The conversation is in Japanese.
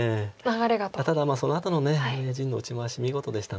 ただそのあとの名人の打ち回し見事でしたので。